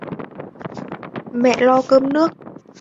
Mẹ lo cơm nước